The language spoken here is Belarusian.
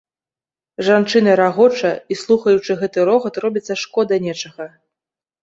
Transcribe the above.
Жанчына рагоча, і, слухаючы гэты рогат, робіцца шкода нечага.